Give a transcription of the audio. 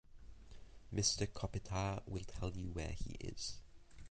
Mister Kopitar will tell you where he is.